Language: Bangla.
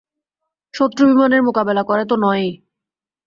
শত্রু বিমানের মোকাবিলা করে তো নয়ই।